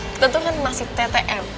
kita tentu kan masih ttm